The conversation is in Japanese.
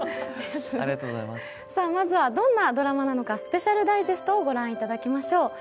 まずはどんなドラマなのかスペシャルダイジェストをご覧いただきましょう。